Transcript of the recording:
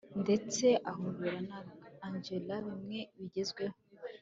ndetse ahobera na angella bimwe bigezweho